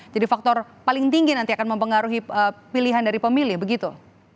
jadi faktor paling tinggi nanti akan mempengaruhi pilihan dari pemilih begitu